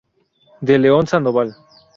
De León Sandoval.